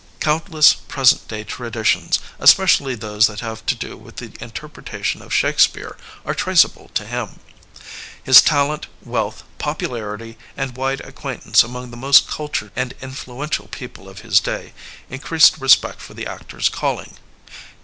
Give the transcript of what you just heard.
Countless present day traditions, especially those that have to do with the interpretation of Shake speare, are traceable to him. His talent, wealth, popularity and wide acquaintance among the most cultured and influential people of his day, increased respect for the actor's calling.